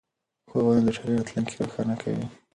ښوونه د ټولنې راتلونکی روښانه کوي